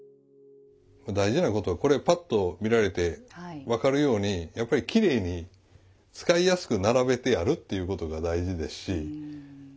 大事なことはこれパッと見られて分かるようにやっぱりきれいに使いやすく並べてあるっていうことが大事ですし。